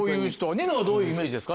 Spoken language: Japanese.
ニノはどういうイメージですか？